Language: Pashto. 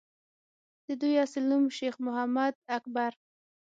دَدوي اصل نوم شېخ محمد اکبر